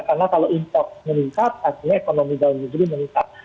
karena kalau import meningkat akhirnya ekonomi dalam negeri meningkat